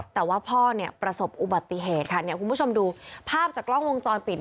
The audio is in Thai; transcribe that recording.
แต่ว่าพ่อประสบอุบัติเหตุค่ะคุณผู้ชมดูภาพจากกล้องวงจรปิด